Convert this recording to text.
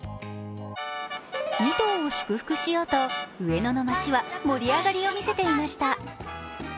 ２頭を祝福しようと上野の町は盛り上がりを見せていました。